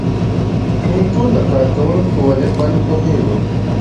موږ ټول د کارکوونکو په وضعیت باندې پوهیږو.